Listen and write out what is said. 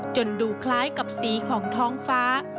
ดูคล้ายกับสีของท้องฟ้า